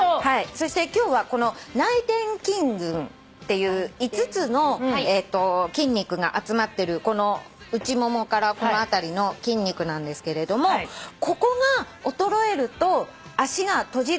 そして今日はこの内転筋群っていう５つの筋肉が集まってるこの内ももからこの辺りの筋肉なんですけれどもここが衰えると足が閉じる力が弱くなって。